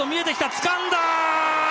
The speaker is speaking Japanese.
つかんだ！